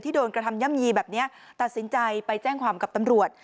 โดนกระทำย่ำยีแบบนี้ตัดสินใจไปแจ้งความกับตำรวจ